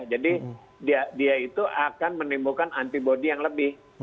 jadi dia itu akan menimbulkan antibody yang lebih